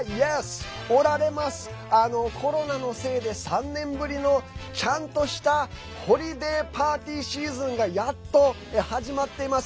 コロナのせいで３年ぶりのちゃんとしたホリデーパーティーシーズンがやっと始まっています。